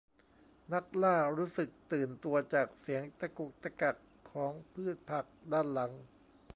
นักล่ารู้สึกตื่นตัวจากเสียงตะกุกตะกักของพืชผักข้างหลัง